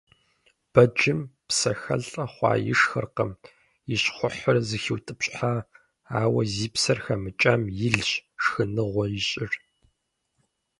Бэджым псэхэлIэ хъуа ишхыркъым, и щхъухьыр зыхиутIыпщхьа, ауэ зи псэр хэмыкIам илщ шхыныгъуэ ищIыр.